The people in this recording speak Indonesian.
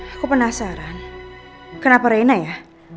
aku penasaran kenapa reina ya